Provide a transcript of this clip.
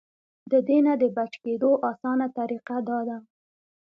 د دې نه د بچ کېدو اسانه طريقه دا ده -